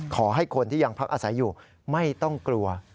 ขอให้คนที่ยังพักอาศัยอยู่ไม่ต้องกลัว